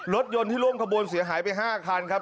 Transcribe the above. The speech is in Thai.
รถยนต์ที่ร่วมขบวนเสียหายไป๕คันครับ